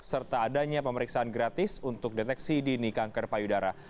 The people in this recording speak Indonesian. serta adanya pemeriksaan gratis untuk deteksi dini kanker payudara